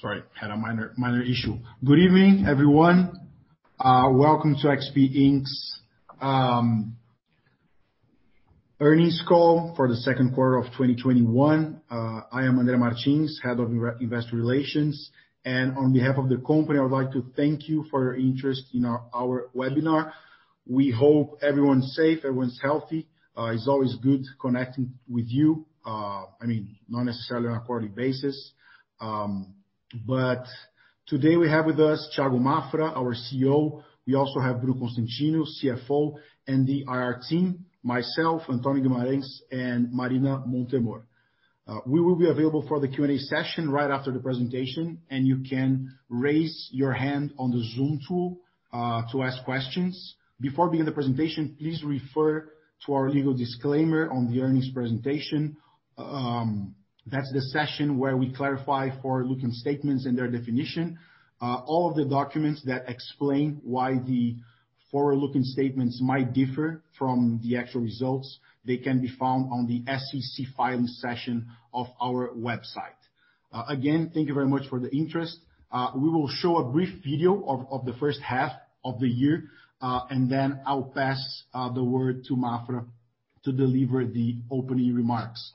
Good evening, everyone. Welcome to XP Inc.'s earnings call for Q2 2021. I am André Martins, Head of Investor Relations, and on behalf of the company, I would like to thank you for your interest in our webinar. We hope everyone's safe, everyone's healthy. It's always good connecting with you. Not necessarily on a quarterly basis. Today we have with us Thiago Maffra, our CEO. We also have Bruno Constantino, CFO, and the IR team, myself, Antonio Guimarães, and Marina Montemor. We will be available for the Q&A session right after the presentation, and you can raise your hand on the Zoom tool to ask questions. Before beginning the presentation, please refer to our legal disclaimer on the earnings presentation. That's the session where we clarify forward-looking statements and their definition. All of the documents that explain why the forward-looking statements might differ from the actual results, they can be found on the SEC filing session of our website. Again, thank you very much for the interest. We will show a brief video of the first half of the year, and then I'll pass the word to Maffra to deliver the opening remarks.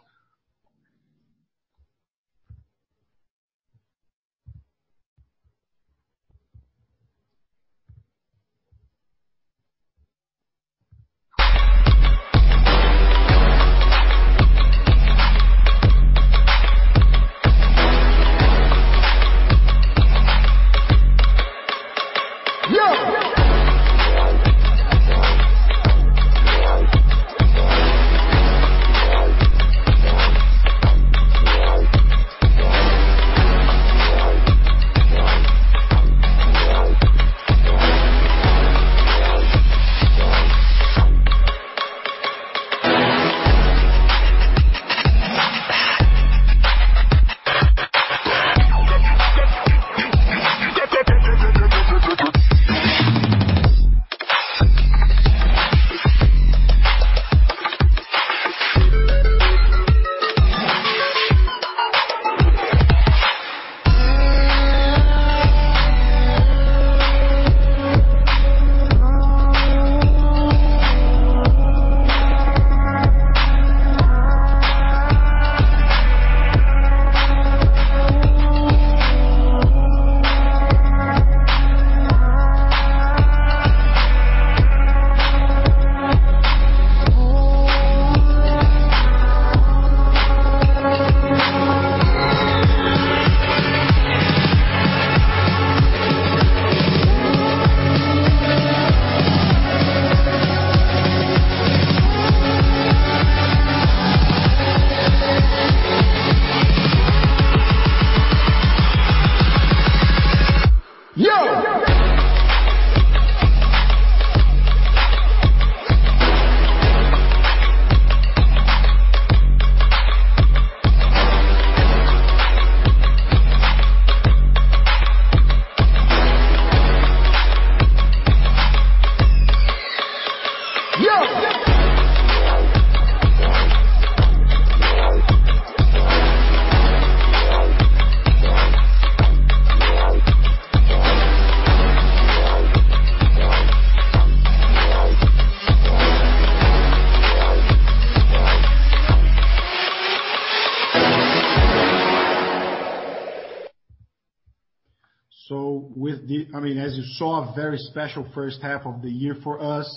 As you saw, a very special first half of the year for us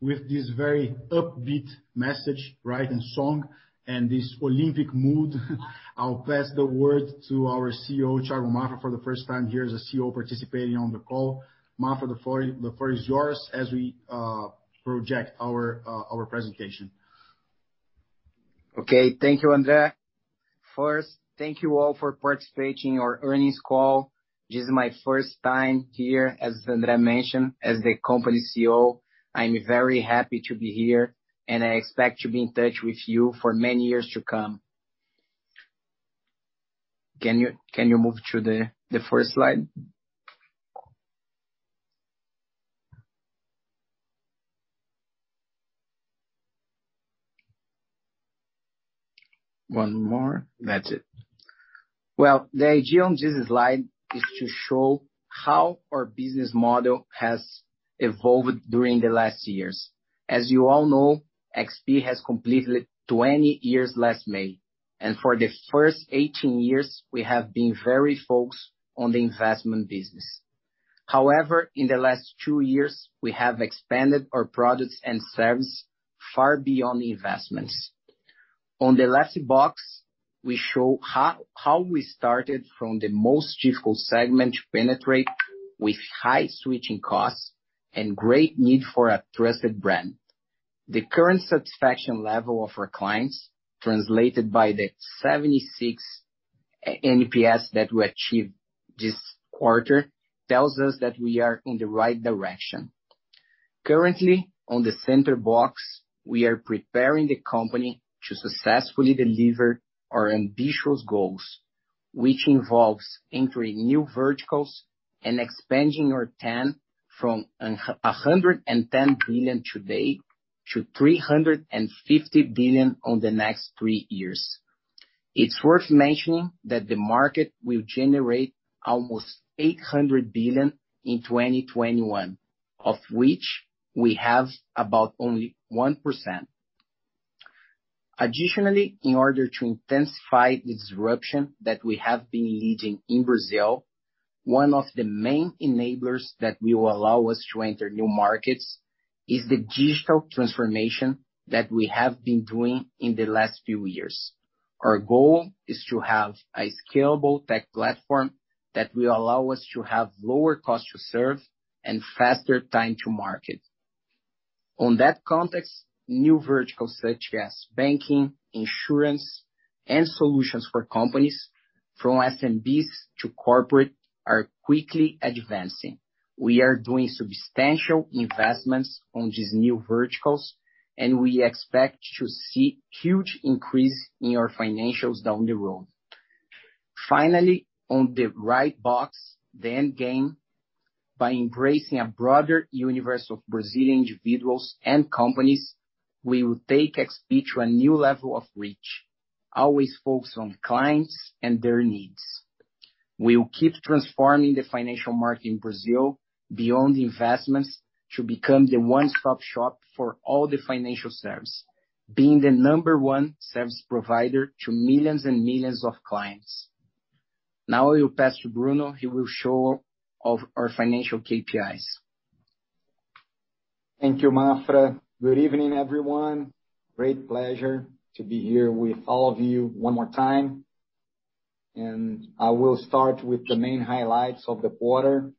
with this very upbeat message, and song, and this Olympic mood. I'll pass the word to our CEO, Thiago Maffra, for the first time here as a CEO participating on the call. Maffra, the floor is yours, as we project our presentation. Okay. Thank you, André. Thank you all for participating in our earnings call. This is my first time here, as André mentioned, as the company CEO. I'm very happy to be here, and I expect to be in touch with you for many years to come. Can you move to the first slide? One more. That's it. Well, the idea on this slide is to show how our business model has evolved during the last years. As you all know, XP has completed 20 years last May, and for the first 18 years, we have been very focused on the investment business. However, in the last two years, we have expanded our products and services far beyond investments. On the left box, we show how we started from the most difficult segment to penetrate, with high switching costs and great need for a trusted brand. The current satisfaction level of our clients, translated by the 76 NPS that we achieved this quarter, tells us that we are in the right direction. Currently, on the center box, we are preparing the company to successfully deliver our ambitious goals. Which involves entering new verticals and expanding our TAM from 110 billion today to 350 billion on the next three years. It's worth mentioning that the market will generate almost 800 billion in 2021, of which we have about only 1%. Additionally, in order to intensify disruption that we have been leading in Brazil, one of the main enablers that will allow us to enter new markets is the digital transformation that we have been doing in the last few years. Our goal is to have a scalable tech platform that will allow us to have lower cost to serve and faster time to market. On that context, new verticals such as banking, insurance, and solutions for companies, from SMBs to corporate, are quickly advancing. We are doing substantial investments on these new verticals, and we expect to see huge increase in our financials down the road. Finally, on the right box, the end game, by embracing a broader universe of Brazilian individuals and companies, we will take XP to a new level of reach, always focused on clients and their needs. We will keep transforming the financial market in Brazil beyond investments to become the one-stop shop for all the financial services, being the number one service provider to millions and millions of clients. Now I will pass to Bruno. He will show off our financial KPIs. Thank you, Maffra. Good evening, everyone. Great pleasure to be here with all of you one more time. I will start with the main highlights of the quarter.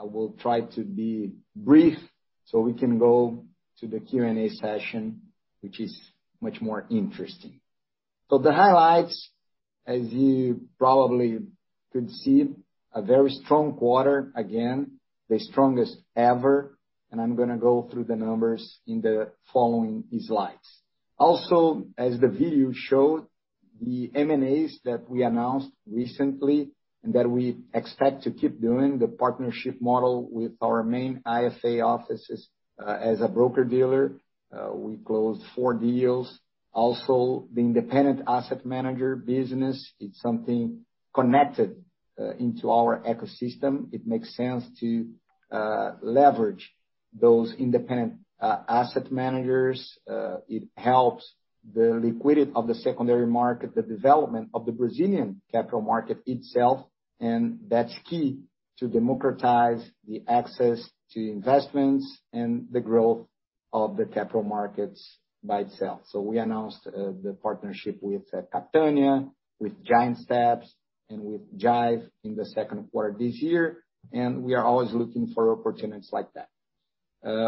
I will try to be brief so we can go to the Q&A session, which is much more interesting. The highlights, as you probably could see, a very strong quarter, again, the strongest ever. I'm going to go through the numbers in the following slides. Also, as the video showed, the M&As that we announced recently and that we expect to keep doing, the partnership model with our main IFA offices as a broker-dealer. We closed four deals. Also, the independent asset manager business, it's something connected into our ecosystem. It makes sense to leverage those independent asset managers. It helps the liquidity of the secondary market, the development of the Brazilian capital market itself, and that's key to democratize the access to investments and the growth of the capital markets by itself. We announced the partnership with Capitânia, with Giant Steps, and with Jive in the second quarter this year, and we are always looking for opportunities like that.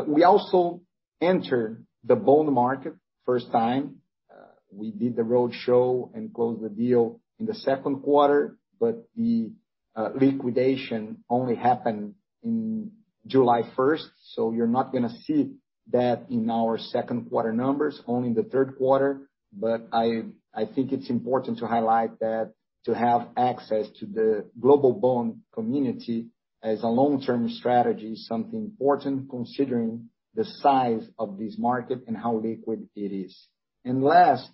We also entered the bond market first time. We did the roadshow and closed the deal in the second quarter, the liquidation only happened in July 1st, you're not going to see that in our second quarter numbers, only in the third quarter. I think it's important to highlight that to have access to the global bond community as a long-term strategy is something important considering the size of this market and how liquid it is. Last,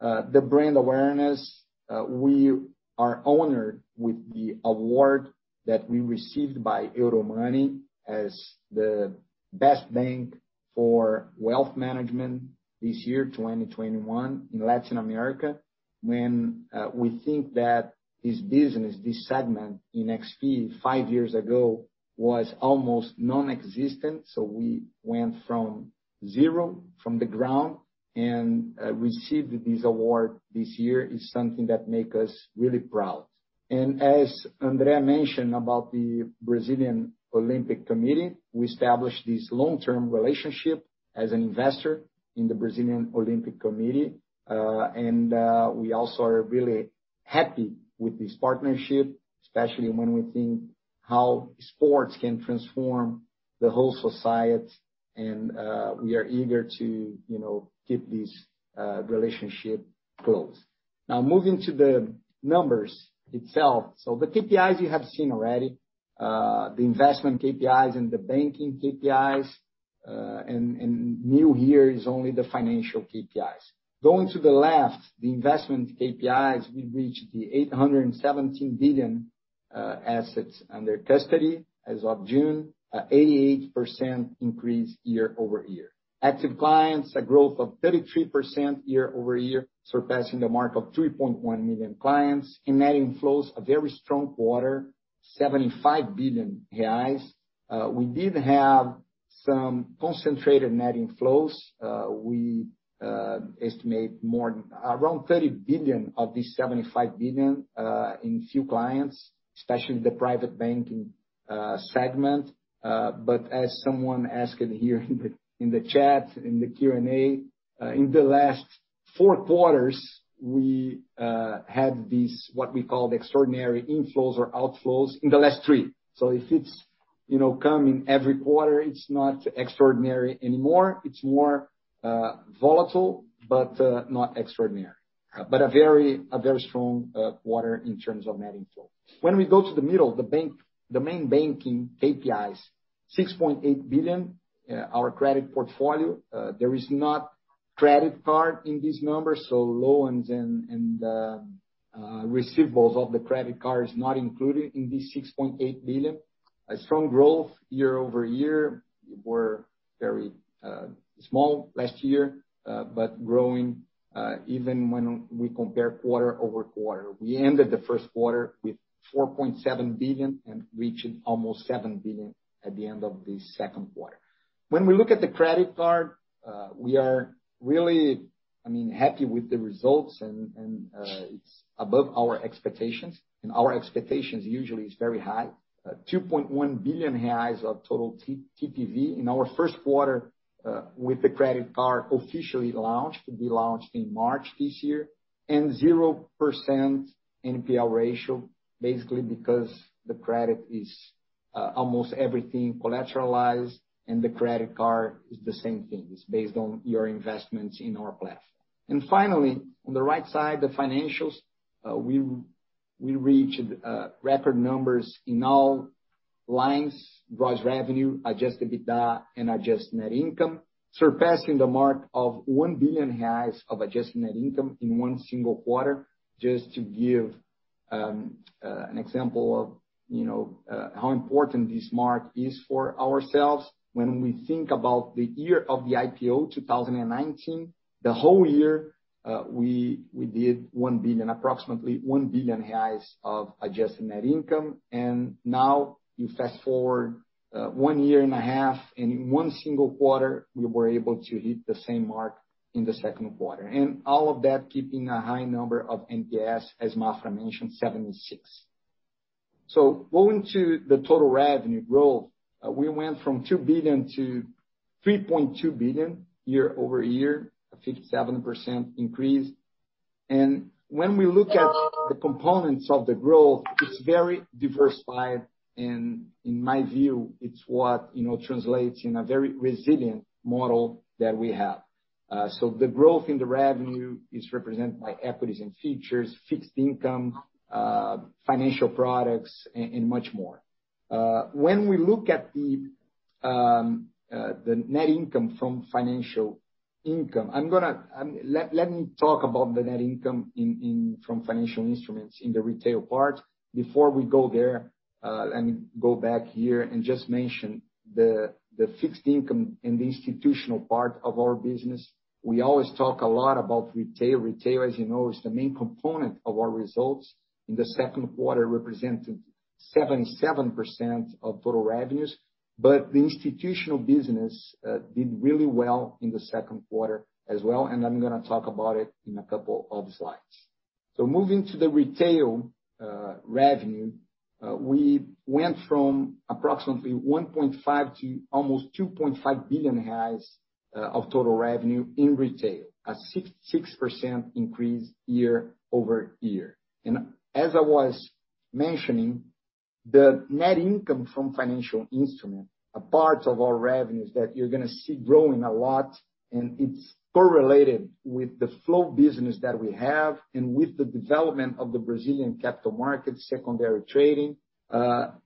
the brand awareness. We are honored with the award that we received by Euromoney as the best bank for wealth management this year, 2021, in Latin America. When we think that this business, this segment in XP five years ago was almost nonexistent. We went from zero, from the ground, and received this award this year is something that make us really proud. As André Martins mentioned about the Brazilian Olympic Committee, we established this long-term relationship as an investor in the Brazilian Olympic Committee. We also are really happy with this partnership, especially when we think how sports can transform the whole society, and we are eager to keep this relationship close. Now, moving to the numbers itself. The KPIs you have seen already. The investment KPIs and the banking KPIs, and new here is only the financial KPIs. Going to the left, the investment KPIs, we reached 817 billion AUC as of June, an 88% increase year-over-year. Active clients, a growth of 33% year-over-year, surpassing the mark of 3.1 million clients. Net inflows, a very strong quarter, 75 billion reais. We did have some concentrated net inflows. We estimate around 30 billion of these 75 billion in few clients, especially the private banking segment. As someone asked here in the chat, in the Q&A, in the last four quarters, we had these, what we call the extraordinary inflows or outflows in the last three. If it's coming every quarter, it's not extraordinary anymore. It's more volatile, but not extraordinary. A very strong quarter in terms of net inflow. When we go to the middle, the main banking KPIs, 6.8 billion, our credit portfolio. There is not credit card in this number. Loans and receivables of the credit card is not included in this 6.8 billion. A strong growth year-over-year. We're very small last year, but growing, even when we compare quarter-over-quarter. We ended the first quarter with 4.7 billion and reaching almost 7 billion at the end of the second quarter. When we look at the credit card, we are really happy with the results and it's above our expectations. Our expectations usually is very high. 2.1 billion reais of total TPV in our first quarter with the credit card officially launched. We launched in March this year. 0% NPL ratio, basically because the credit is almost everything collateralized, and the credit card is the same thing. It's based on your investments in our platform. Finally, on the right side, the financials. We reached record numbers in all lines, gross revenue, adjusted EBITDA, and adjusted net income, surpassing the mark of 1 billion reais of adjusted net income in one single quarter. Just to give an example of how important this mark is for ourselves, when we think about the year of the IPO 2019, the whole year, we did approximately 1 billion reais of adjusted net income. Now you fast-forward one year and a half, and in one single quarter, we were able to hit the same mark in the second quarter. All of that keeping a high number of NPS, as André mentioned, 76. Going into the total revenue growth, we went from 2 billion-3.2 billion year-over-year, a 57% increase. When we look at the components of the growth, it's very diversified, and in my view, it's what translates in a very resilient model that we have. The growth in the revenue is represented by equities and futures, fixed income, financial products, and much more. When we look at the net income from financial income, let me talk about the net income from financial instruments in the retail part. Before we go there, let me go back here and just mention the fixed income in the institutional part of our business. We always talk a lot about retail. Retail, as you know, is the main component of our results. In the second quarter represented 77% of total revenues, but the institutional business did really well in the second quarter as well, and I'm going to talk about it in a couple of slides. Moving to the retail revenue, we went from approximately 1.5 billion to almost 2.5 billion of total revenue in retail, a 66% increase year-over-year. As I was mentioning, the net income from financial instrument, a part of our revenues that you're going to see growing a lot, and it's correlated with the flow business that we have and with the development of the Brazilian capital market, secondary trading. 82%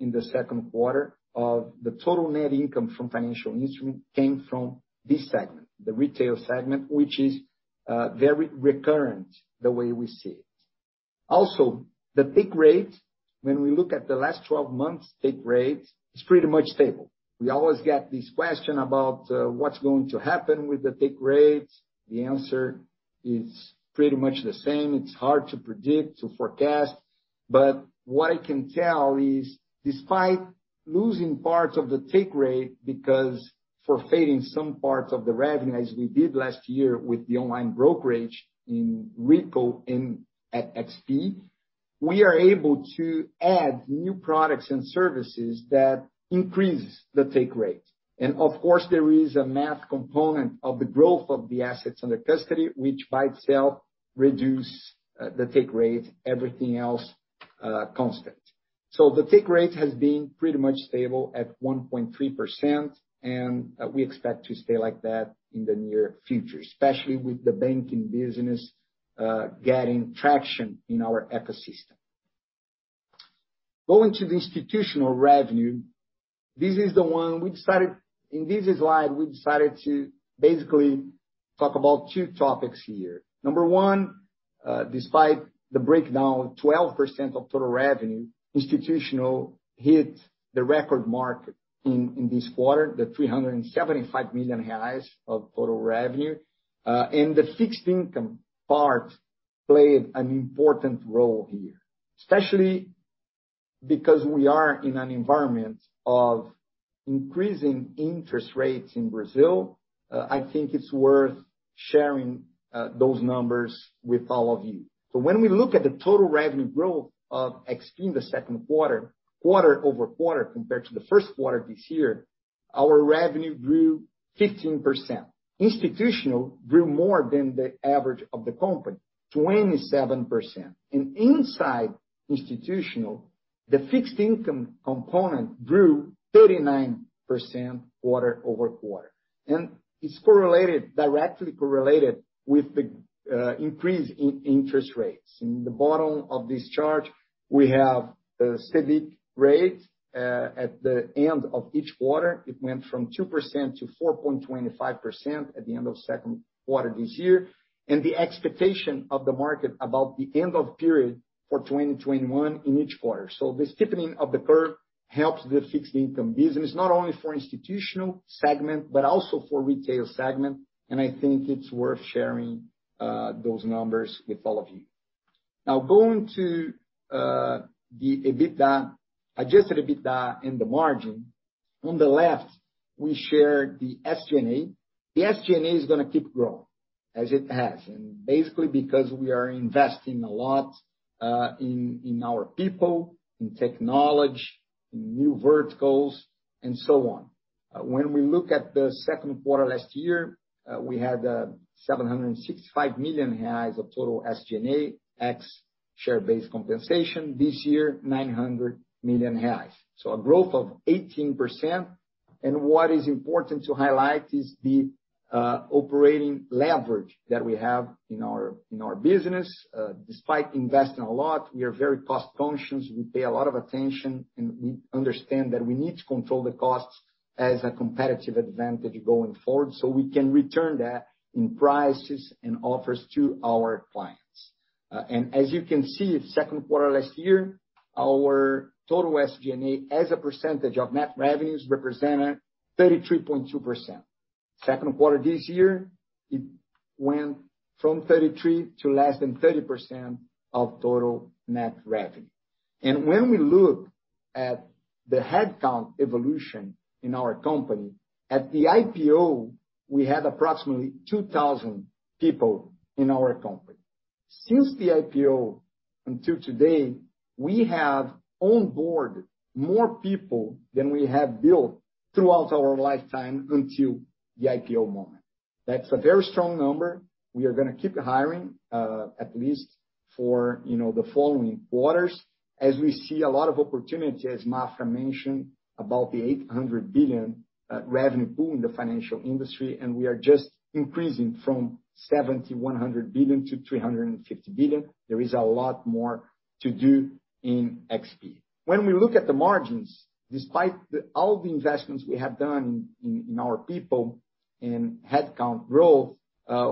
in the second quarter of the total net income from financial instrument came from this segment, the retail segment, which is very recurrent the way we see it. The take rate, when we look at the last 12 months take rate, it's pretty much stable. We always get this question about what's going to happen with the take rate. The answer is pretty much the same. It's hard to predict, to forecast. What I can tell is despite losing parts of the take rate because for failing some parts of the revenue as we did last year with the online brokerage in Rico in at XP, we are able to add new products and services that increases the take rate. Of course, there is a math component of the growth of the assets under custody, which by itself reduce the take rate, everything else constant. The take rate has been pretty much stable at 1.3%, and we expect to stay like that in the near future, especially with the banking business getting traction in our ecosystem. Going to the institutional revenue. In this slide, we decided to basically talk about two topics here. Number one, despite the breakdown, 12% of total revenue institutional hit the record market in this quarter, the 375 million reais of total revenue. The fixed income part played an important role here, especially because we are in an environment of increasing interest rates in Brazil. I think it's worth sharing those numbers with all of you. When we look at the total revenue growth of XP in the second quarter-over-quarter compared to the first quarter this year. Our revenue grew 15%. Institutional grew more than the average of the company, 27%. Inside institutional, the fixed income component grew 39% quarter-over-quarter. It's directly correlated with the increase in interest rates. In the bottom of this chart, we have the CDI rate at the end of each quarter. It went from 2% to 4.25% at the end of second quarter this year. We also have the expectation of the market about the end of period for 2021 in each quarter. The steepening of the curve helps the fixed income business, not only for institutional segment, but also for retail segment. I think it's worth sharing those numbers with all of you. Going to the EBITDA, adjusted EBITDA and the margin. On the left, we share the SG&A. The SG&A is going to keep growing as it has, and basically because we are investing a lot in our people, in technology, in new verticals, and so on. When we look at the second quarter last year, we had 765 million reais of total SG&A, ex-share-based compensation. This year, 900 million reais. A growth of 18%. What is important to highlight is the operating leverage that we have in our business. Despite investing a lot, we are very cost-conscious. We pay a lot of attention, and we understand that we need to control the costs as a competitive advantage going forward, so we can return that in prices and offers to our clients. As you can see, second quarter last year, our total SG&A as a percentage of net revenues represented 33.2%. Second quarter this year, it went from 33% to less than 30% of total net revenue. When we look at the headcount evolution in our company, at the IPO, we had approximately 2,000 people in our company. Since the IPO until today, we have onboard more people than we have built throughout our lifetime until the IPO moment. That's a very strong number. We are going to keep hiring at least for the following quarters, as we see a lot of opportunity, as André mentioned, about the 800 billion revenue boom in the financial industry, and we are just increasing from 70 billion-100 billion to 350 billion. There is a lot more to do in XP. When we look at the margins, despite all the investments we have done in our people and headcount growth,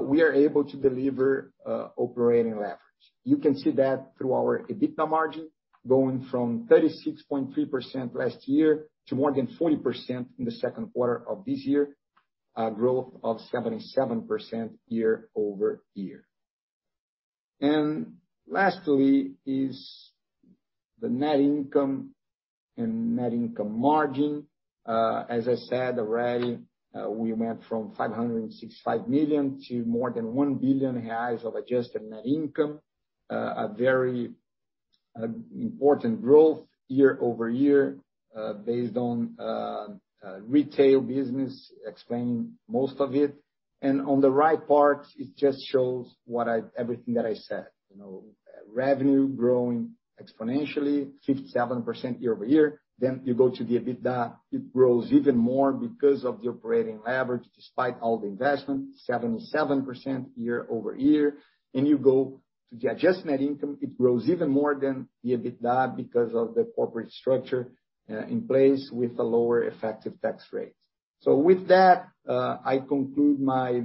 we are able to deliver operating leverage. You can see that through our EBITDA margin going from 36.3% last year to more than 40% in the second quarter of this year, a growth of 77% year-over-year. Lastly is the net income and net income margin. As I said already, we went from 565 million to more than 1 billion reais of adjusted net income. A very important growth year-over-year based on retail business explaining most of it. On the right part, it just shows everything that I said. Revenue growing exponentially, 57% year-over-year. You go to the EBITDA, it grows even more because of the operating leverage, despite all the investment, 77% year-over-year. You go to the adjusted net income, it grows even more than the EBITDA because of the corporate structure in place with the lower effective tax rate. With that, I conclude my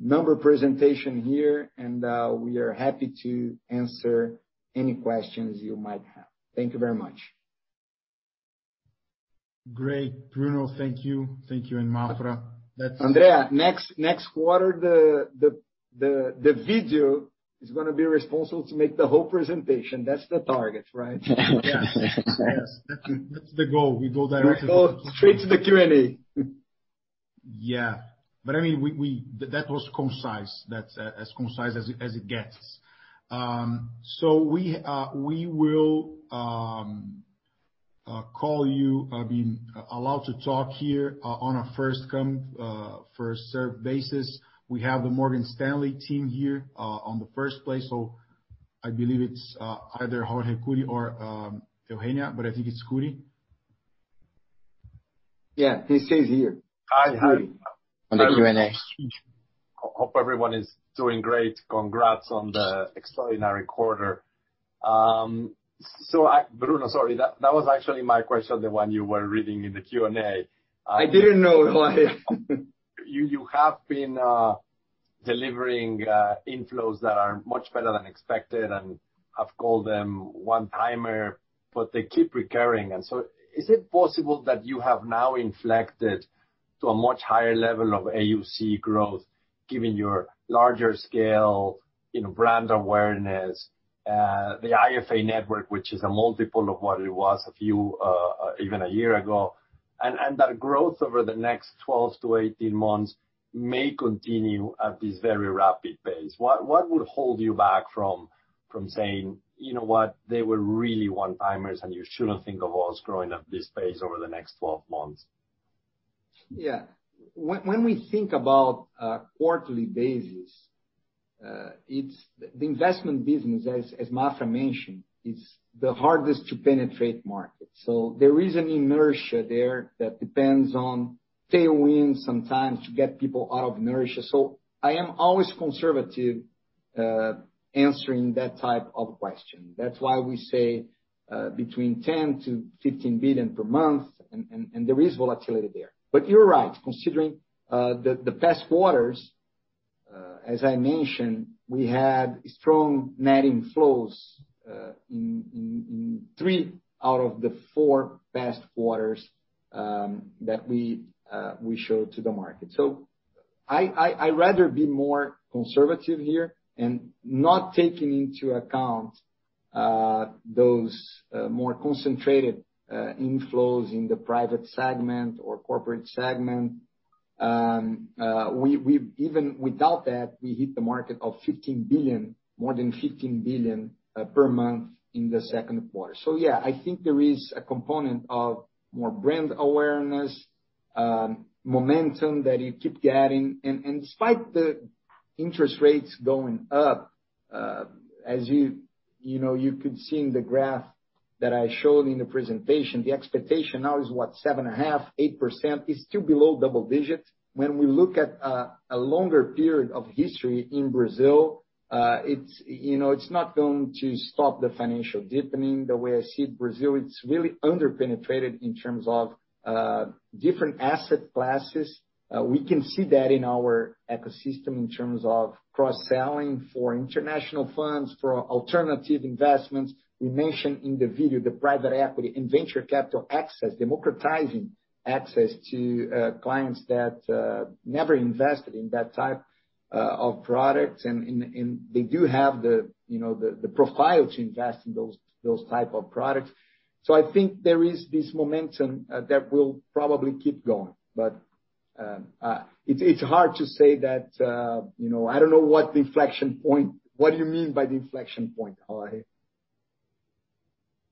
number presentation here, and we are happy to answer any questions you might have. Thank you very much. Great, Bruno. Thank you. Thank you, Maffra. André Martins, next quarter, Otavio is going to be responsible to make the whole presentation. That's the target, right? Yes. That's the goal. We go directly to the Q&A. We go straight to the Q&A. Yeah. That was concise. That's as concise as it gets. We will call you, be allowed to talk here on a first come first served basis. We have the Morgan Stanley team here on the first place, I believe it's either Jorge Kuri or Eugenia, I think it's Kuri. Yeah. He says here. Hi. On the Q&A. Hope everyone is doing great. Congrats on the extraordinary quarter. Bruno, sorry, that was actually my question, the one you were reading in the Q&A. I didn't know. You have been delivering inflows that are much better than expected, and I've called them one-timer, but they keep recurring. Is it possible that you have now inflected to a much higher level of AUC growth, given your larger scale, brand awareness, the IFA network, which is a multiple of what it was even a year ago. That growth over the next 12-18 months may continue at this very rapid pace. What would hold you back from saying, "You know what? They were really one-timers, and you shouldn't think of us growing at this pace over the next 12 months"? Yeah. When we think about quarterly basis, the investment business, as Maffra mentioned, is the hardest to penetrate market. There is an inertia there that depends on tailwinds sometimes to get people out of inertia. I am always conservative answering that type of question. That's why we say between 10 billion-15 billion per month, and there is volatility there. You're right, considering the past quarters, as I mentioned, we had strong net inflows in three out of the four past quarters that we showed to the market. I'd rather be more conservative here and not taking into account those more concentrated inflows in the private segment or corporate segment. Even without that, we hit the market of more than 15 billion per month in the second quarter. Yeah, I think there is a component of more brand awareness, momentum that you keep getting. Despite the interest rates going up, as you could see in the graph that I showed in the presentation, the expectation now is what? 7.5%-8% is still below double digits. When we look at a longer period of history in Brazil, it's not going to stop the financial deepening. The way I see Brazil, it's really under-penetrated in terms of different asset classes. We can see that in our ecosystem in terms of cross-selling for international funds, for alternative investments. We mentioned in the video the private equity and venture capital access, democratizing access to clients that never invested in that type of product. They do have the profile to invest in those type of products. I think there is this momentum that will probably keep going. It's hard to say I don't know what inflection point. What do you mean by inflection point, Jorge?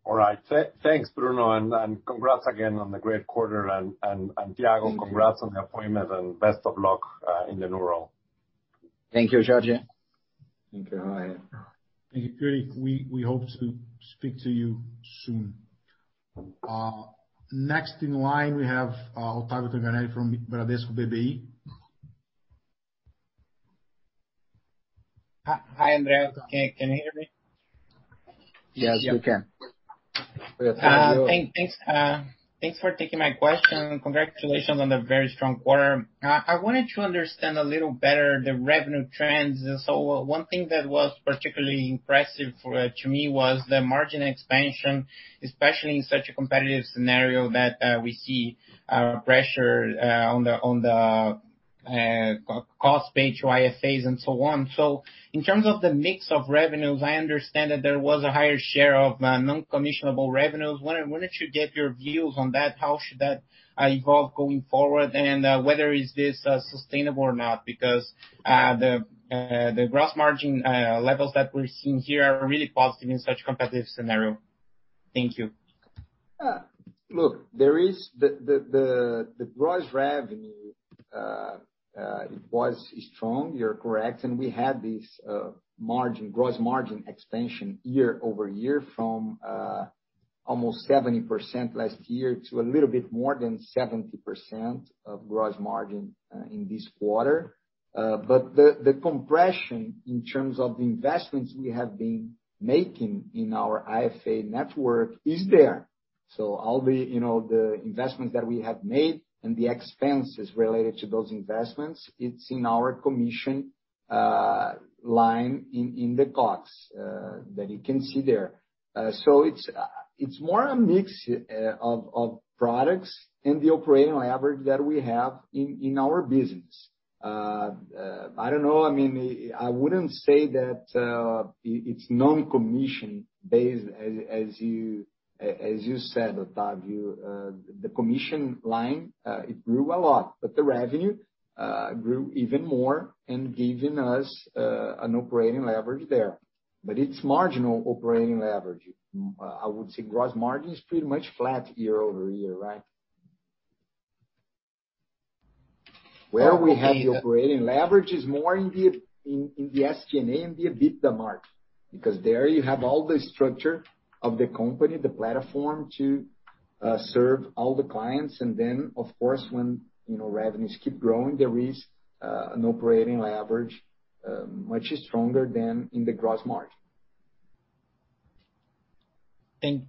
All right. Thanks, Bruno, and congrats again on the great quarter. Thiago, congrats on the appointment and best of luck in the new role. Thank you, Jorge. Thank you, Jorge. Thank you. We hope to speak to you soon. Next in line, we have Otavio Tanganelli from Bradesco BBI. Hi, André. Can you hear me? Yes, we can. Yes, we can. Thanks for taking my question. Congratulations on the very strong quarter. I wanted to understand a little better the revenue trends. One thing that was particularly impressive to me was the margin expansion, especially in such a competitive scenario that we see pressure on the cost page, IFAs and so on. In terms of the mix of revenues, I understand that there was a higher share of non-commissionable revenues. Wanted to get your views on that. How should that evolve going forward, and whether is this sustainable or not? Because the gross margin levels that we're seeing here are really positive in such a competitive scenario. Thank you. Look, the gross revenue was strong, you're correct. We had this gross margin expansion year-over-year from almost 70% last year to a little bit more than 70% of gross margin in this quarter. The compression in terms of the investments we have been making in our IFA network is there. The investments that we have made and the expenses related to those investments, it's in our commission line in the costs that you can see there. It's more a mix of products and the operating leverage that we have in our business. I don't know. I wouldn't say that it's non-commission based as you said, Otavio. The commission line grew a lot, but the revenue grew even more and given us an operating leverage there. It's marginal operating leverage. I would say gross margin is pretty much flat year-over-year, right? Where we have the operating leverage is more in the SG&A and the EBITDA margin, because there you have all the structure of the company, the platform to serve all the clients. Of course, when revenues keep growing, there is an operating leverage much stronger than in the gross margin.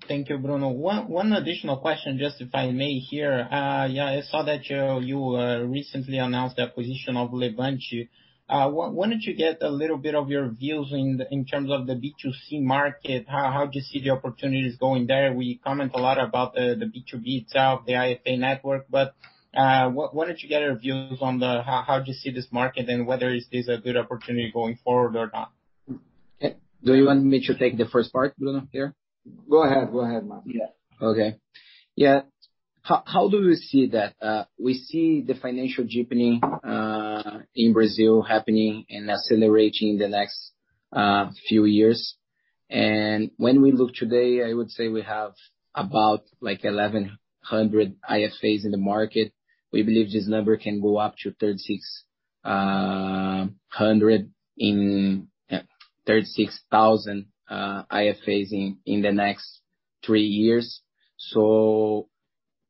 Thank you, Bruno. One additional question, just if I may here. Yeah, I saw that you recently announced the acquisition of Levante. Wanted to get a little bit of your views in terms of the B2C market. How do you see the opportunities going there? We comment a lot about the B2B side of the IFA network. Wanted to get your views on how you see this market and whether is this a good opportunity going forward or not. Do you want me to take the first part, Bruno, here? Go ahead, Thiago Maffra. Okay. Yeah. How do we see that? We see the financial deepening in Brazil happening and accelerating in the next few years. When we look today, I would say we have about 1,100 IFAs in the market. We believe this number can go up to 36,000 IFAs in the next three years.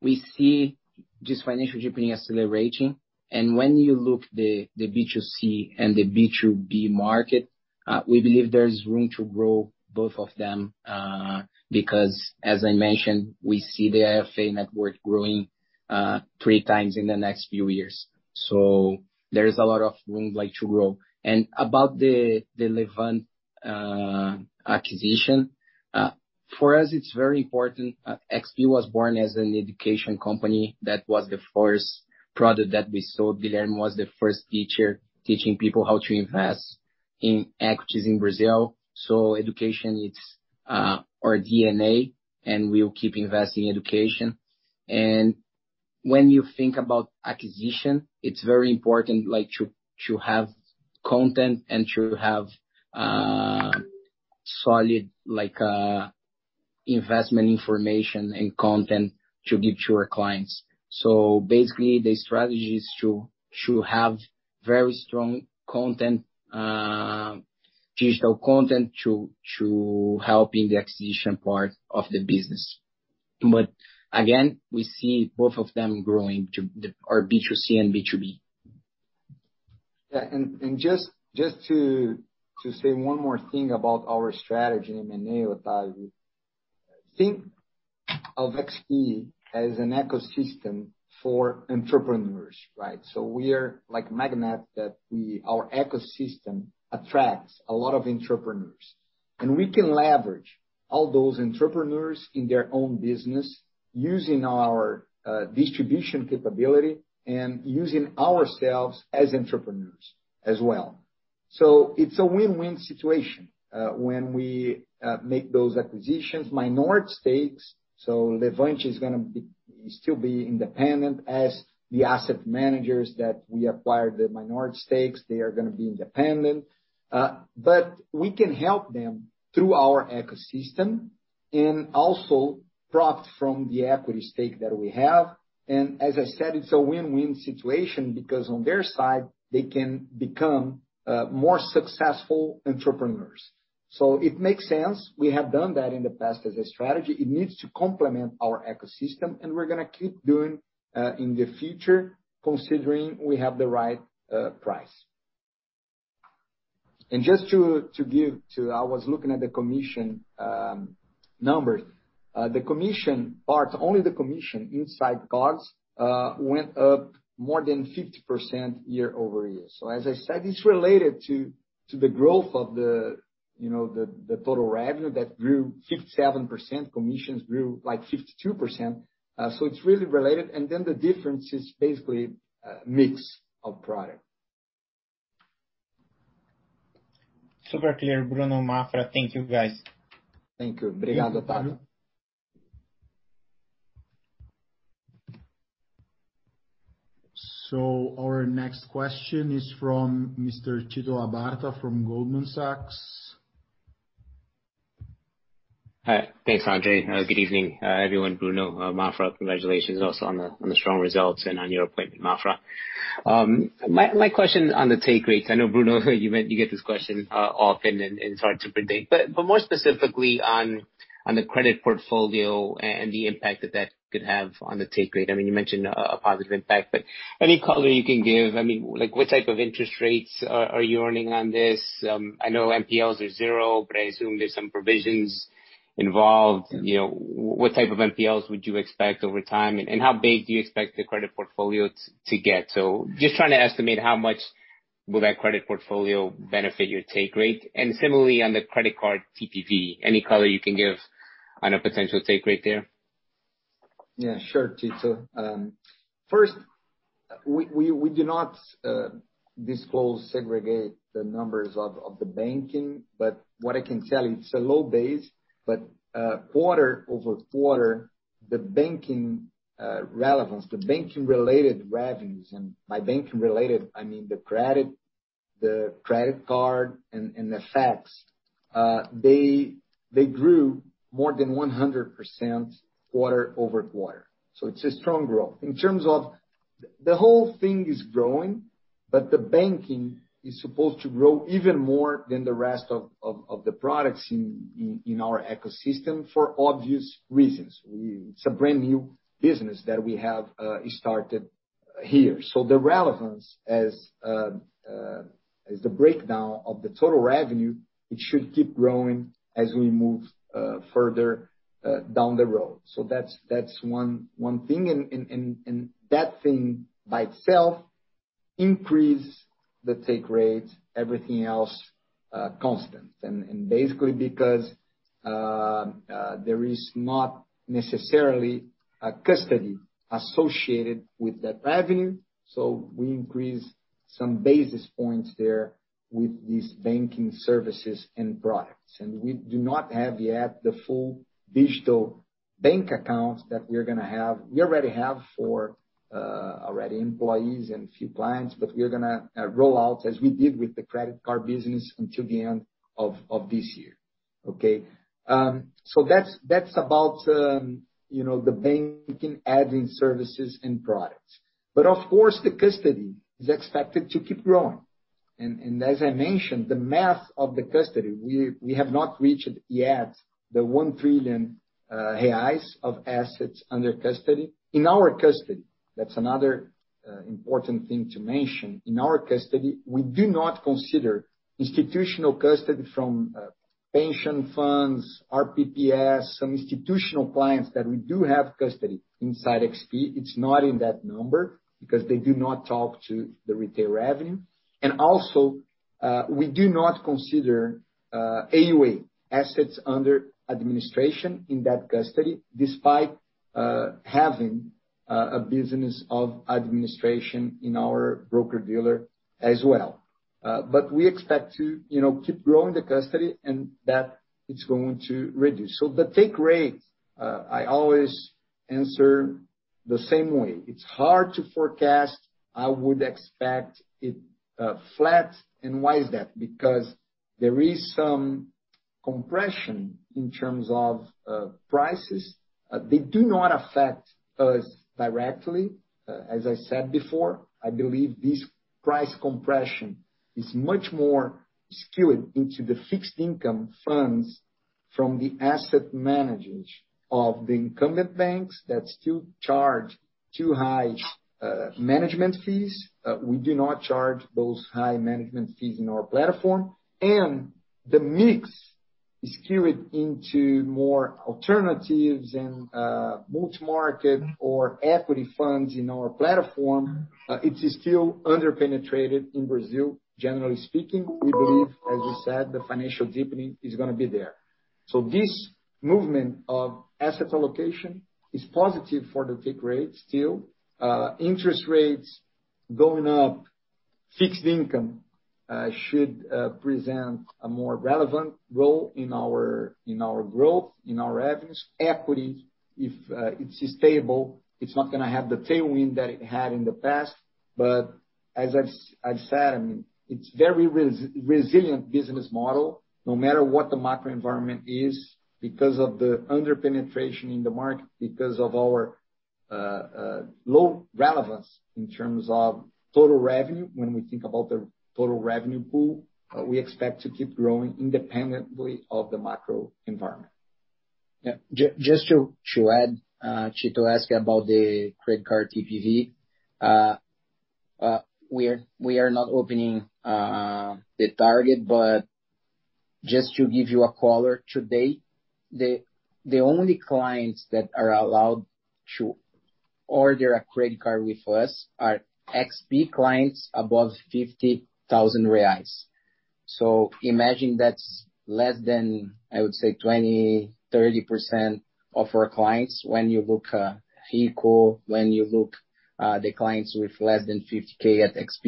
We see this financial journey accelerating. When you look at the B2C and the B2B market, we believe there is room to grow both of them, because as I mentioned, we see the IFA network growing three times in the next few years. There is a lot of room to grow. About the Levante acquisition, for us, it's very important. XP was born as an education company. That was the first product that we sold. Guilherme was the first teacher teaching people how to invest in equities in Brazil. Education, it's our DNA, and we'll keep investing in education. When you think about acquisition, it's very important to have content and to have solid investment information and content to give to your clients. Basically, the strategy is to have very strong digital content to help in the acquisition part of the business. Again, we see both of them growing, our B2C and B2B. Yeah. Just to say one more thing about our strategy in M&A, Otavio. Think of XP as an ecosystem for entrepreneurs, right? We are like a magnet that our ecosystem attracts a lot of entrepreneurs. We can leverage all those entrepreneurs in their own business using our distribution capability and using ourselves as entrepreneurs as well. It's a win-win situation. When we make those acquisitions, minority stakes, so Levante is going to still be independent as the asset managers that we acquired the minority stakes, they are going to be independent. We can help them through our ecosystem and also profit from the equity stake that we have. As I said, it's a win-win situation because on their side, they can become more successful entrepreneurs. It makes sense. We have done that in the past as a strategy. It needs to complement our ecosystem, and we're going to keep doing in the future, considering we have the right price. Just to give, I was looking at the commission numbers. The commission part, only the commission inside cards, went up more than 50% year-over-year. As I said, it's related to the growth of the total revenue that grew 57%, commissions grew 52%. It's really related. The difference is basically a mix of product. Super clear, Bruno, Maffra. Thank you, guys. Thank you. Obrigado, Otavio. Our next question is from Mr. Tito Labarta from Goldman Sachs. Hi. Thanks, André. Good evening, everyone, Bruno, Maffra. Congratulations also on the strong results and on your appointment, Maffra. My question on the take rates, I know, Bruno, you get this question often and it's hard to predict, but more specifically on the credit portfolio and the impact that that could have on the take rate. You mentioned a positive impact, but any color you can give? What type of interest rates are you earning on this? I know NPLs are zero, but I assume there's some provisions involved. What type of NPLs would you expect over time, and how big do you expect the credit portfolio to get? Just trying to estimate how much will that credit portfolio benefit your take rate. Similarly, on the credit card TPV, any color you can give on a potential take rate there? Yeah, sure, Tito. First, we do not disclose, segregate the numbers of the Banking, what I can tell you, it's a low base, quarter-over-quarter, the Banking relevance, the Banking related revenues, by Banking related, I mean the credit card and the FX. They grew more than 100% quarter-over-quarter. It's a strong growth. In terms of the whole thing is growing, the Banking is supposed to grow even more than the rest of the products in our ecosystem for obvious reasons. It's a brand new business that we have started here. The relevance as the breakdown of the total revenue, it should keep growing as we move further down the road. That's one thing, that thing by itself increases the take rate, everything else constant. Basically because there is not necessarily a custody associated with that revenue. We increase some basis points there with these banking services and products. We do not have yet the full digital Bank accounts that we are going to have. We already have for employees and a few clients, but we're going to roll out, as we did with the credit card business, until the end of this year. That's about the banking admin services and products. Of course, the custody is expected to keep growing. As I mentioned, the math of the custody, we have not reached yet the 1 trillion reais of assets under custody. In our custody, that's another important thing to mention. In our custody, we do not consider institutional custody from pension funds, RPPS, some institutional clients that we do have custody inside XP. It's not in that number because they do not talk to the retail revenue. We do not consider AUA, assets under administration, in that custody, despite having a business of administration in our broker-dealer as well. We expect to keep growing the custody and that it's going to reduce. The take rate, I always answer the same way. It's hard to forecast. I would expect it flat. Why is that? Because there is some compression in terms of prices. They do not affect us directly. As I said before, I believe this price compression is much more skewed into the fixed income funds from the asset managers of the incumbent banks that still charge too high management fees. We do not charge those high management fees in our platform. The mix is skewed into more alternatives and multi-market or equity funds in our platform. It is still under-penetrated in Brazil. Generally speaking, we believe, as you said, the financial deepening is going to be there. This movement of asset allocation is positive for the take rate still. Interest rates going up, fixed income should present a more relevant role in our growth, in our revenues. Equity, if it's stable, it's not going to have the tailwind that it had in the past. As I've said, it's very resilient business model, no matter what the macro environment is, because of the under-penetration in the market, because of our low relevance in terms of total revenue. When we think about the total revenue pool, we expect to keep growing independently of the macro environment. Yeah. Just to add, Tito asked about the credit card TPV. We are not opening the target, just to give you a caller today, the only clients that are allowed to order a credit card with us are XP clients above 50,000 reais. Imagine that’s less than, I would say, 20%, 30% of our clients when you look at Rico, when you look at the clients with less than 50,000 at XP.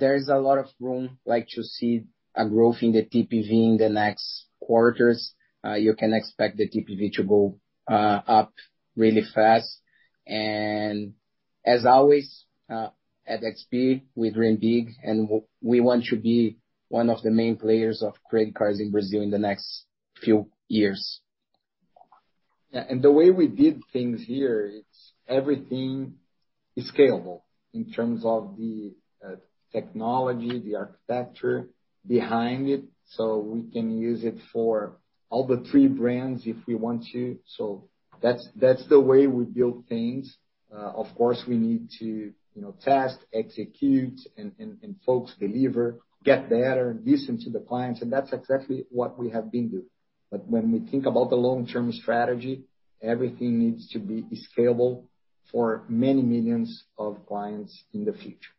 There is a lot of room to see a growth in the TPV in the next quarters. You can expect the TPV to go up really fast. As always, at XP, we dream big, and we want to be one of the main players of credit cards in Brazil in the next few years. Yeah. The way we did things here, everything is scalable in terms of the technology, the architecture behind it, so we can use it for all the three brands if we want to. That's the way we build things. Of course, we need to test, execute, and folks deliver, get better, listen to the clients, and that's exactly what we have been doing. When we think about the long-term strategy, everything needs to be scalable for many millions of clients in the future.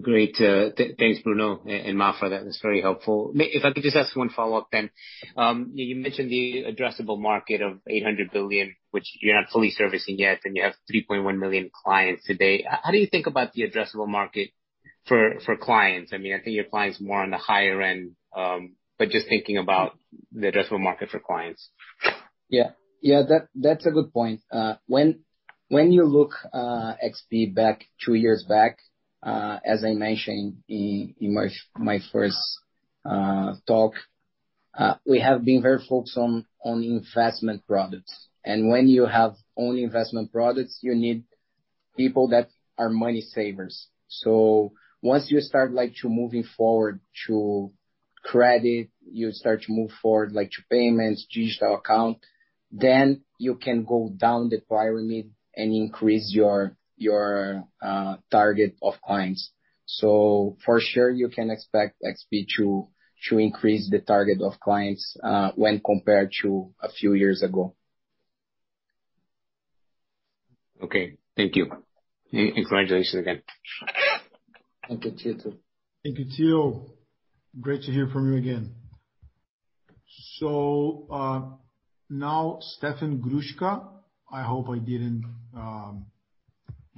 Great. Thanks, Bruno Constantino and Maffra. That was very helpful. If I could just ask one follow-up then. You mentioned the addressable market of 800 billion, which you're not fully servicing yet, and you have 3.1 million clients today. How do you think about the addressable market for clients? I think your clients are more on the higher end, but just thinking about the addressable market for clients. Yeah. That's a good point. When you look XP two years back, as I mentioned in my first talk, we have been very focused on investment products. When you have only investment products, you need people that are money savers. Once you start to moving forward to credit, you start to move forward to payments, digital account, then you can go down the pyramid and increase your target of clients. For sure, you can expect XP to increase the target of clients when compared to a few years ago. Okay. Thank you. Congratulations again. Thank you, Tito. Thank you, Tito. Great to hear from you again. Now Steffen Gruschka.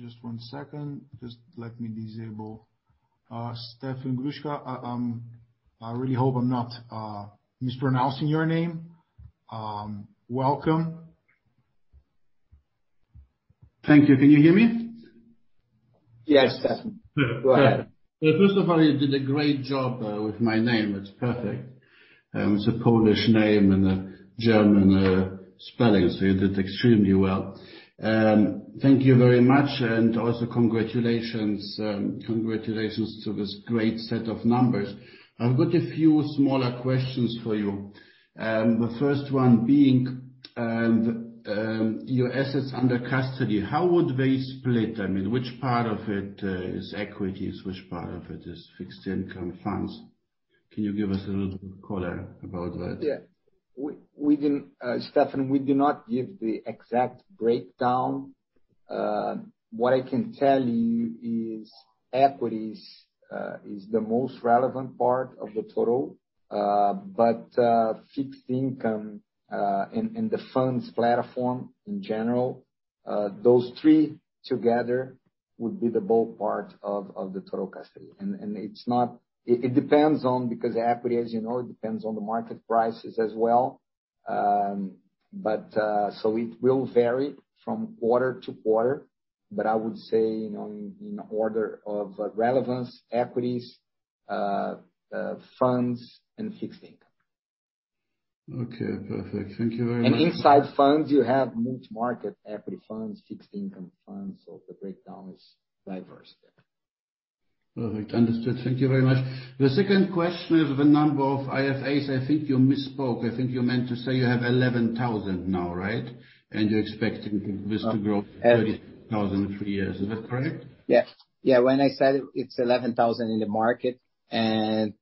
Just one second. Just let me disable. Steffen Gruschka, I really hope I'm not mispronouncing your name. Welcome. Thank you. Can you hear me? Yes, Steffen. Go ahead. First of all, you did a great job with my name. It's perfect. It's a Polish name and a German spelling, so you did extremely well. Thank you very much, and also congratulations to this great set of numbers. I've got a few smaller questions for you. The first one being, your assets under custody, how would they split? I mean, which part of it is equities? Which part of it is fixed income funds? Can you give us a little color about that? Steffen, we do not give the exact breakdown. What I can tell you is equities is the most relevant part of the total. Fixed income and the funds platform in general, those three together would be the bulk part of the total custody. It depends on, because equity, as you know, depends on the market prices as well. It will vary from quarter to quarter, but I would say, in order of relevance, equities, funds, and fixed income. Okay, perfect. Thank you very much. Inside funds, you have multi-market equity funds, fixed income funds. The breakdown is diverse there. Perfect, understood. Thank you very much. The second question is the number of IFAs. I think you misspoke. I think you meant to say you have 11,000 now, right? You're expecting this to grow to 30,000 in three years. Is that correct? Yeah. When I said it's 11,000 in the market and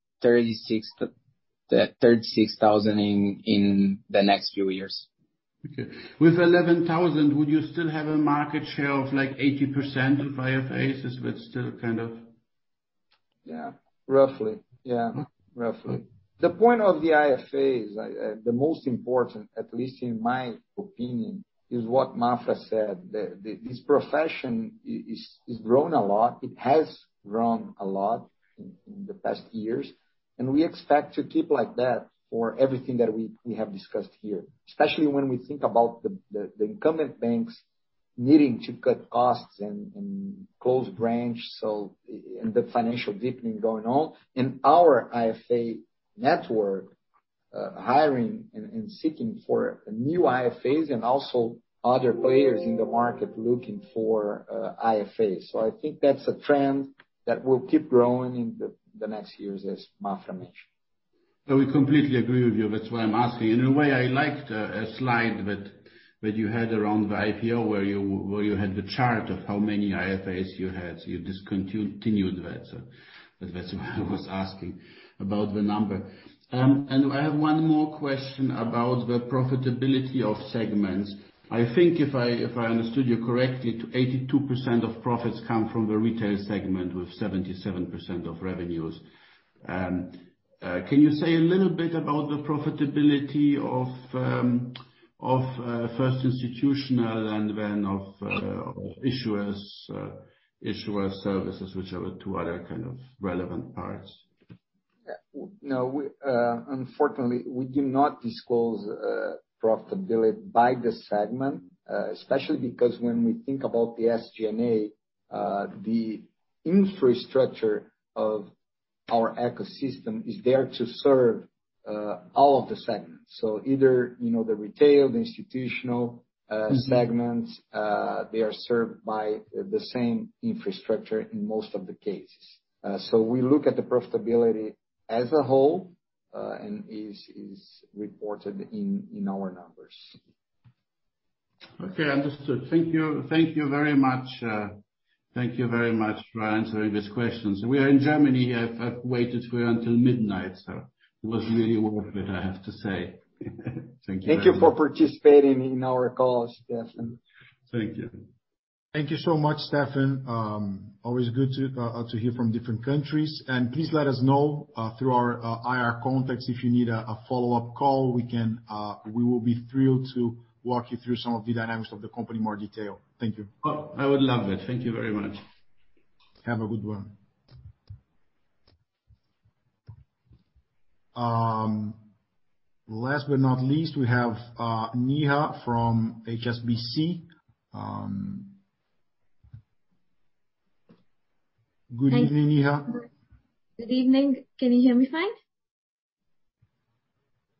36,000 in the next few years. Okay. With 11,000, would you still have a market share of 80% of IFAs? Yeah. Roughly. The point of the IFAs, the most important, at least in my opinion, is what Maffra said. That this profession is growing a lot. It has grown a lot in the past years, and we expect to keep like that for everything that we have discussed here. Especially when we think about the incumbent banks needing to cut costs and close branches. And the financial deepening going on, and our IFA network hiring and seeking for new IFAs and also other players in the market looking for IFAs. I think that's a trend that will keep growing in the next years, as Maffra mentioned. No, we completely agree with you. That's why I'm asking. In a way, I liked a slide that you had around the IPO where you had the chart of how many IFAs you had. You discontinued that. That's why I was asking about the number. I have one more question about the profitability of segments. I think if I understood you correctly, 82% of profits come from the retail segment, with 77% of revenues. Can you say a little bit about the profitability of first institutional and then of issuers services, which are the two other kind of relevant parts? No, unfortunately, we do not disclose profitability by the segment. Especially because when we think about the SG&A, the infrastructure of our ecosystem is there to serve all of the segments. Either the retail, the institutional segments, they are served by the same infrastructure in most of the cases. We look at the profitability as a whole, and is reported in our numbers. Okay, understood. Thank you very much. Thank you very much for answering these questions. We are in Germany. I've waited here until midnight, so it was really worth it, I have to say. Thank you very much. Thank you for participating in our call, Steffen. Thank you. Thank you so much, Steffen. Always good to hear from different countries. Please let us know through our IR contacts if you need a follow-up call. We will be thrilled to walk you through some of the dynamics of the company in more detail. Thank you. Oh, I would love it. Thank you very much. Have a good one. Last but not least, we have Neha from HSBC. Good evening, Neha. Good evening. Can you hear me fine?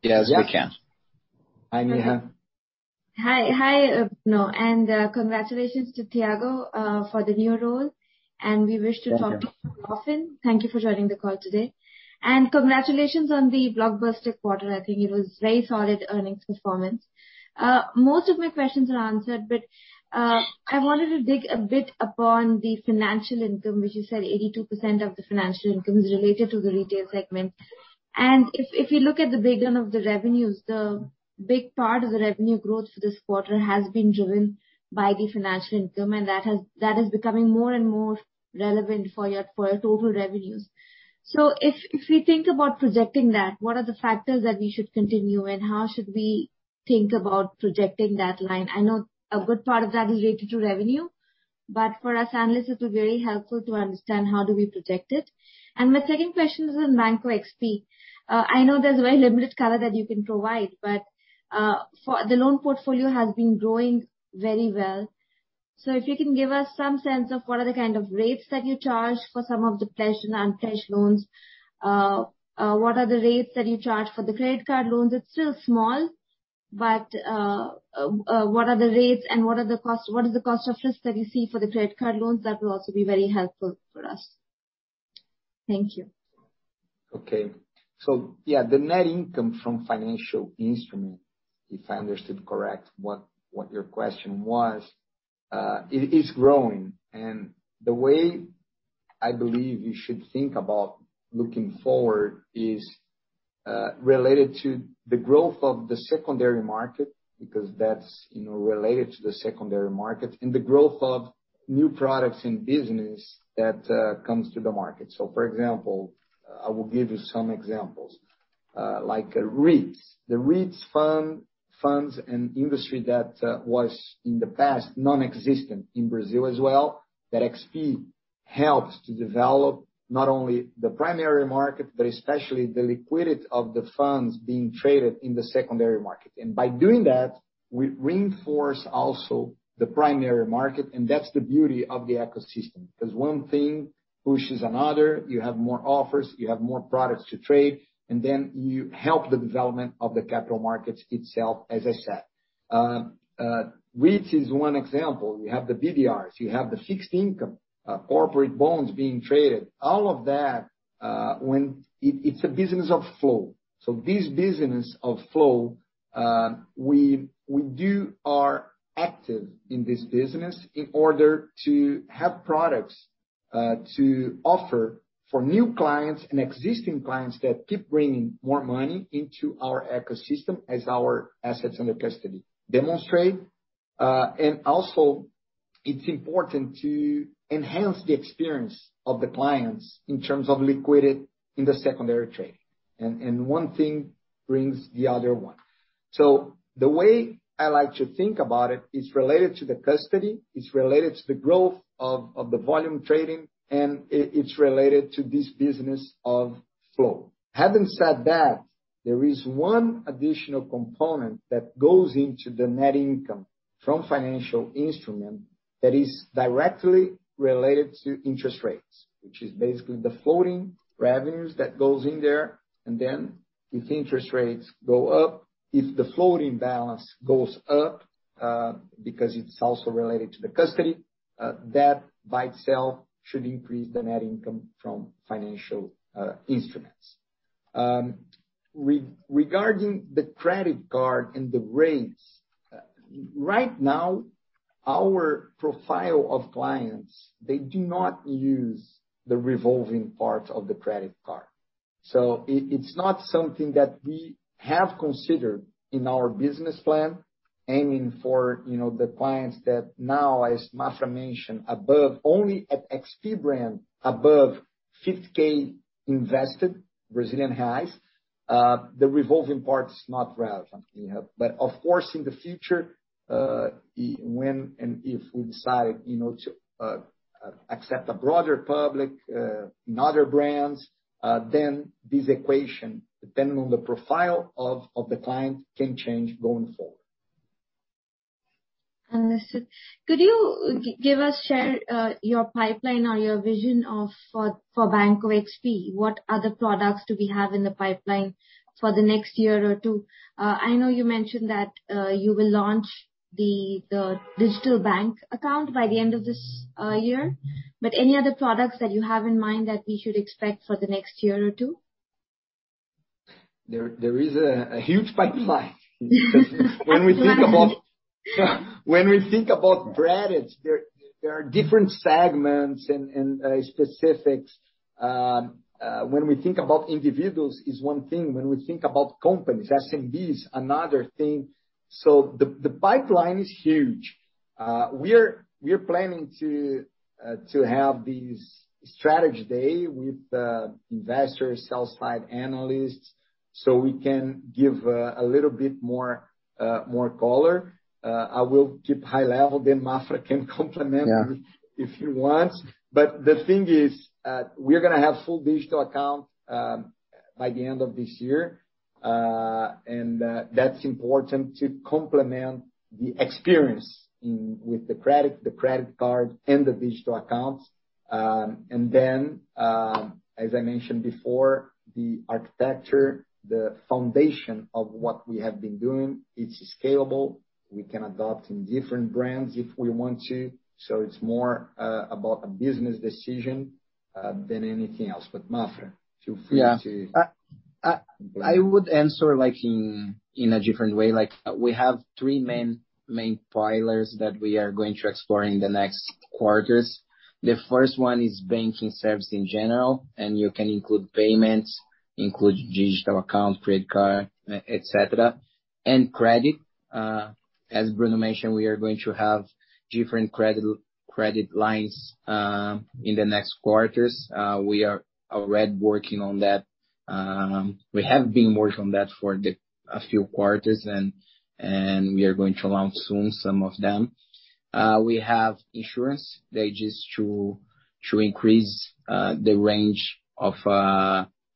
Yes, we can. Hi, Neha. Hi, Bruno. Congratulations to Thiago for the new role, and we wish to talk to you often. Thank you for joining the call today. Congratulations on the blockbuster quarter. I think it was very solid earnings performance. Most of my questions are answered, but I wanted to dig a bit upon the financial income, which you said 82% of the financial income is related to the retail segment. If you look at the breakdown of the revenues, the big part of the revenue growth for this quarter has been driven by the financial income, that is becoming more and more relevant for your total revenues. If we think about projecting that, what are the factors that we should continue, how should we think about projecting that line? I know a good part of that is related to revenue, but for us analysts, it will be very helpful to understand how do we project it. My second question is on Banco XP. I know there's very limited color that you can provide, but the loan portfolio has been growing very well. If you can give us some sense of what are the kind of rates that you charge for some of the pledged and unpledged loans. What are the rates that you charge for the credit card loans? It's still small, but what are the rates and what is the cost of risk that you see for the credit card loans? That will also be very helpful for us. Thank you. Okay. Yeah, the net income from financial instruments, if I understood correct what your question was, it is growing. The way I believe you should think about looking forward is related to the growth of the secondary market, because that's related to the secondary market, and the growth of new products and business that comes to the market. For example, I will give you some examples. Like REITs. The REITs funds and industry that was in the past non-existent in Brazil as well, that XP helped to develop not only the primary market, but especially the liquidity of the funds being traded in the secondary market. By doing that, we reinforce also the primary market, and that's the beauty of the ecosystem, because one thing pushes another, you have more offers, you have more products to trade, and then you help the development of the capital markets itself, as I said. REITs is one example. You have the BDRs, you have the fixed income, corporate bonds being traded. All of that, it's a business of flow. This business of flow, we do our active in this business in order to have products to offer for new clients and existing clients that keep bringing more money into our ecosystem as our assets under custody demonstrate. Also, it's important to enhance the experience of the clients in terms of liquidity in the secondary trade. One thing brings the other one. The way I like to think about it's related to the custody, it's related to the growth of the volume trading, and it's related to this business of flow. Having said that, there is one additional component that goes into the net income from financial instrument that is directly related to interest rates, which is basically the floating revenues that goes in there. If interest rates go up, if the floating balance goes up, because it's also related to the custody, that by itself should increase the net income from financial instruments. Regarding the credit card and the rates. Right now, our profile of clients, they do not use the revolving part of the credit card. It's not something that we have considered in our business plan aiming for the clients that now, as Maffra mentioned above, only at XP brand above 50,000 invested, the revolving part is not relevant. Of course, in the future, when and if we decide to accept a broader public in other brands, then this equation, depending on the profile of the client, can change going forward. Could you give us share your pipeline or your vision for Banco XP? What other products do we have in the pipeline for the next year or two? I know you mentioned that you will launch the digital bank account by the end of this year. Any other products that you have in mind that we should expect for the next year or two? There is a huge pipeline. When we think about products, there are different segments and specifics. When we think about individuals is one thing. When we think about companies, SMBs, another thing. The pipeline is huge. We're planning to have this strategy day with investors, sell side analysts, so we can give a little bit more color. I will keep high level, then Maffra can complement. Yeah if he wants. The thing is, we're going to have full digital account by the end of this year. That's important to complement the experience with the credit card and the digital accounts. As I mentioned before, the architecture, the foundation of what we have been doing, it's scalable. We can adopt in different brands if we want to. It's more about a business decision than anything else. Maffra, feel free to- Yeah. I would answer in a different way. We have three main pillars that we are going to explore in the next quarters. The first one is banking service in general, and you can include payments, include digital account, credit card, et cetera, and credit, as Bruno mentioned, we are going to have different credit lines in the next quarters. We are already working on that. We have been working on that for a few quarters, and we are going to launch some of them soon. We have insurance, which is to increase the range of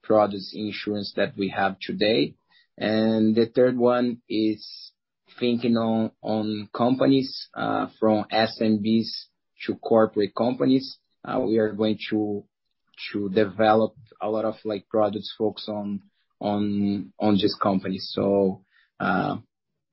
product insurance that we have today. The third one is thinking on companies, from SMBs to corporate companies. We are going to develop a lot of products focused on these companies.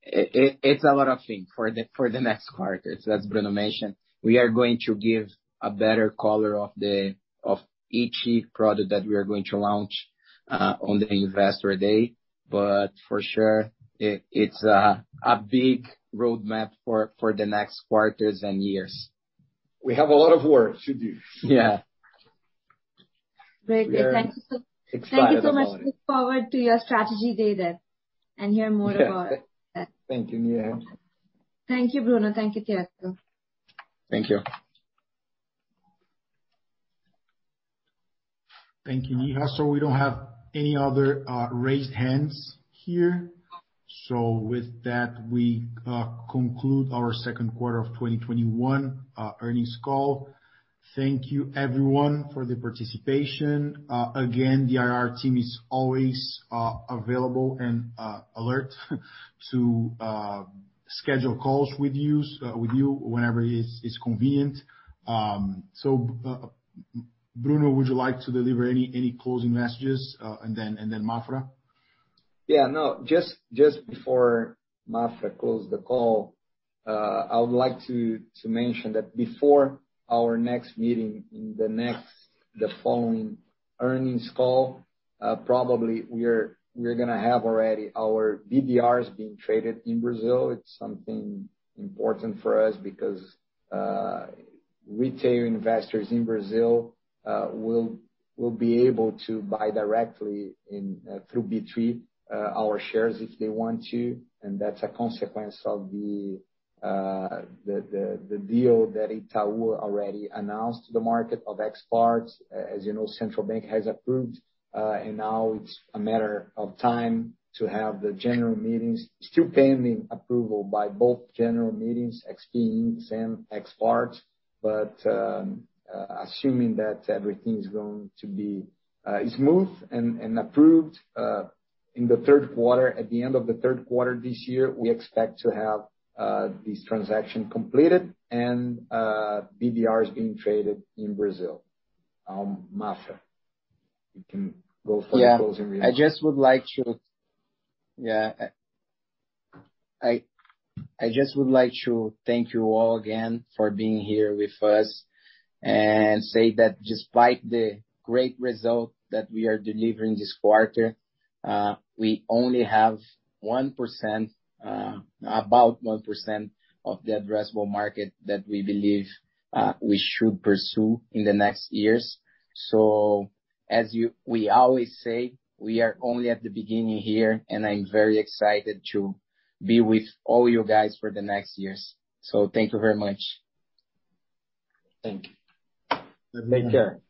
It's a lot of things for the next quarters, as Bruno mentioned. We are going to give a better color of each product that we are going to launch on the investor day. For sure, it's a big roadmap for the next quarters and years. We have a lot of work to do. Yeah. Great. Thank you so much. We are excited about it. Thank you so much. Look forward to your strategy day then, and hear more about that. Thank you, Neha. Thank you, Bruno. Thank you, Thiago. Thank you. Thank you, Neha. We don't have any other raised hands here. With that, we conclude our second quarter of 2021 earnings call. Thank you everyone for the participation. Again, the IR team is always available and alert to schedule calls with you whenever it is convenient. Bruno, would you like to deliver any closing messages? Maffra. Yeah, no, just before Maffra close the call, I would like to mention that before our next meeting in the following earnings call, probably we're going to have already our BDRs being traded in Brazil. It's something important for us because retail investors in Brazil will be able to buy directly through B3 our shares if they want to. That's a consequence of the deal that Itaú already announced to the market of XPart S.A. As you know, Central Bank has approved, now it's a matter of time to have the general meetings. Still pending approval by both general meetings, XP Inc., and XPart, assuming that everything is going to be smooth and approved, in the third quarter, at the end of the third quarter this year, we expect to have this transaction completed and BDRs being traded in Brazil. Thiago Maffra, you can go for the closing remarks. Yeah. I just would like to thank you all again for being here with us and say that despite the great result that we are delivering this quarter, we only have 1%, about 1% of the addressable market that we believe we should pursue in the next years. As we always say, we are only at the beginning here, and I'm very excited to be with all you guys for the next years. Thank you very much. Thank you. Take care.